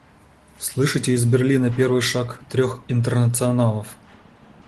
Слышите из Берлина первый шаг трех Интернационалов?